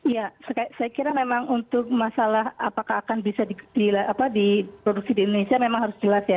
ya saya kira memang untuk masalah apakah akan bisa diproduksi di indonesia memang harus jelas ya